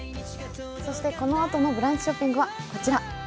このあとの「ブランチショッピング」はこちら。